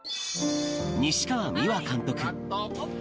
西川美和監督。